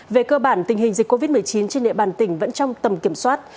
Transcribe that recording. về cơ bản tình hình dịch covid một mươi chín trên địa bàn tỉnh vẫn trong tầm kiểm soát